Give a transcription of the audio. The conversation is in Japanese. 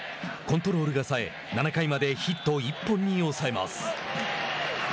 コントロールがさえ７回までヒット１本に抑えます。